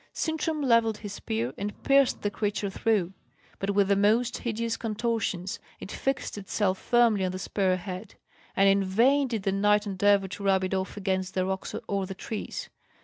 Sintram levelled his spear, and pierced the creature through. But, with the most hideous contortions, it fixed itself firmly on the spear head; and in vain did the knight endeavour to rub it off against the rocks or the trees.